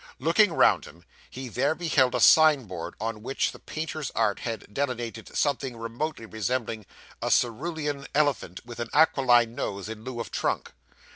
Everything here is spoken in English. Looking round him, he there beheld a signboard on which the painter's art had delineated something remotely resembling a cerulean elephant with an aquiline nose in lieu of trunk.